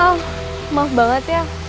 al maaf banget ya